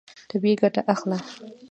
طبیعي ګټه اخله.